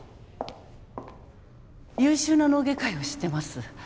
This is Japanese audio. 優秀な脳外科医を知ってます